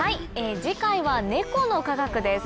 次回はネコの科学です。